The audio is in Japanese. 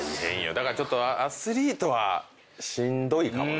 だからちょっとアスリートはしんどいかもね。